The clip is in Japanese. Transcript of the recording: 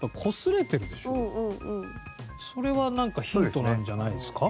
それはなんかヒントなんじゃないですか？